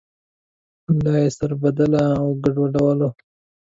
لا یې سربداله او ګډوډولو.